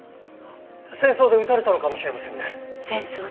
戦争で撃たれたのかもしれませんね。